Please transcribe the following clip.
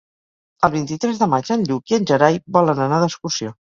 El vint-i-tres de maig en Lluc i en Gerai volen anar d'excursió.